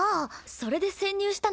それで潜入したの？